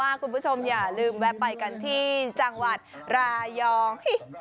คุณผู้ชมอย่าลืมแวะไปกันที่จังหวัดระยอง